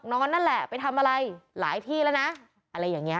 นั่นแหละไปทำอะไรหลายที่แล้วนะอะไรอย่างนี้